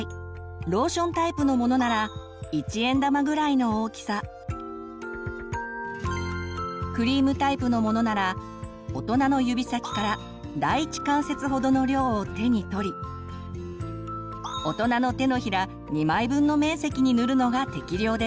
ローションタイプのものならクリームタイプのものなら大人の指先から第一関節ほどの量を手に取り大人の手のひら２枚分の面積に塗るのが適量です。